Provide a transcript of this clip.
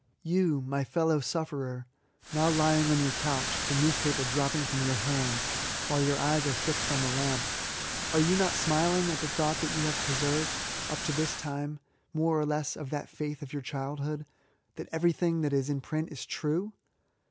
You, my fellow sufferer, now lying on your couch, the newspaper dropping iirom your hand, while your eyes are fixed on the lamp, are you not smiling at the thought that you have preserved, yxp to this time, more or less of that faith of your childhood — that everything that is in print is true